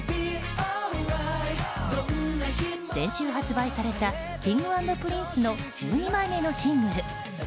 先週発売されたＫｉｎｇ＆Ｐｒｉｎｃｅの１２枚目のシングル。